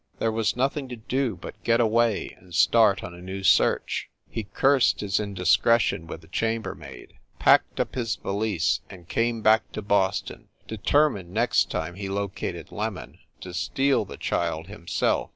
There was nothing to do but get away and start on a new search. He cursed his indiscretion with the chambermaid, packed up his valise and came back to Boston, determined, next time he located "Lem on," to steal the child himself.